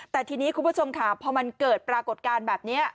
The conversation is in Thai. แต่ทีนี้คุณผู้ชมค่ะพอมันเกิดปรากฏการณ์แบบนี้